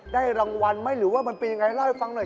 รางวัลไหมหรือว่ามันเป็นยังไงเล่าให้ฟังหน่อย